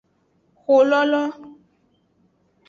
Exololo.